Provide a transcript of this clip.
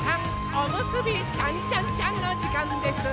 おむすびちゃんちゃんちゃんのじかんです！